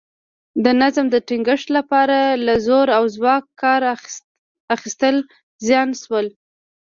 د نظم د ټینګښت لپاره له زور او ځواکه کار اخیستل زیات شول